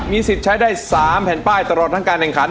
สิทธิ์ใช้ได้๓แผ่นป้ายตลอดทั้งการแข่งขัน